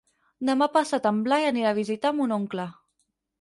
Demà passat en Blai anirà a visitar mon oncle.